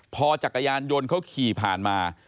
พอจักรยานยนต์เขาขี่ผ่านมา